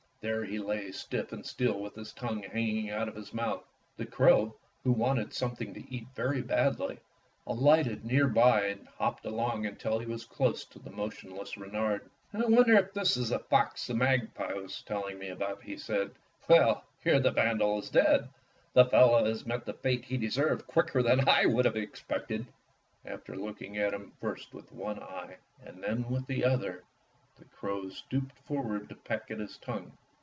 There he lay stiff and still with his tongue hanging out of his mouth. The crow, who wanted something to eat very badly, alighted near by and hopped along till he was close to the motionless Reynard. 132 Fairy Tale Foxes ''I wonder if this is the fox the magpie was telling me about," he said. "Well, here the vandal is dead. The fellow has met the fate he deserved quicker than I would have ex pected." After looking at him first with one eye and then with the other, the crow stooped forward to peck at his tongue.